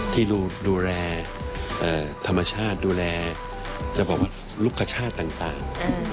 ที่ดูแลธรรมชาติดูแลลูกชาติต่าง